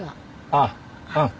あっうん。